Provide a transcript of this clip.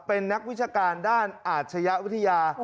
เป็นนักวิชาการด้านอาชญาวิทยา